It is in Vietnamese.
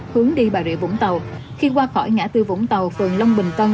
hướng đi bà rịa vũng tàu khi qua khỏi ngã tư vũng tàu phường long bình tân